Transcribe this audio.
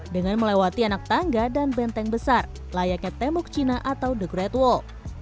dengan melewati anak tangga dan benteng besar layaknya tembok cina atau the great wall